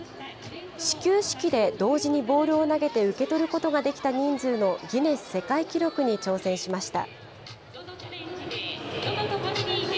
始球式で同時にボールを投げて受け取ることが出来た人数のギネス世界記録に挑戦しました。